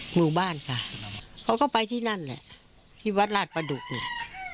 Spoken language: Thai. หมู่บ้านค่ะเขาก็ไปที่นั่นแหละที่วัดราชประดุกเนี่ย